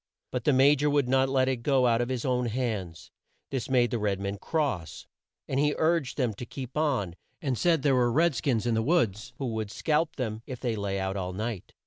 But the Ma jor would not let it go out of his own hands. This made the red man cross, and he urged them to keep on and said there were red skins in the woods who would scalp them if they lay out all night.